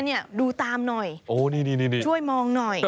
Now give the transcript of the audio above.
เนี่ยดูตามหน่อยช่วยมองหน่อย